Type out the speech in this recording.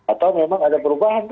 atau memang ada perubahan